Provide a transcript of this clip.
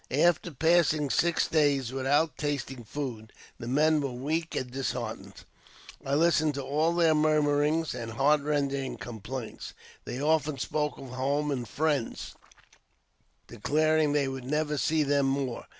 " After passing six days without tasting food, the men were weak and disheartened. I listened to all their murmurings and heart rending complaints. They often spoke of home and friends, declaring they woiild never see them more.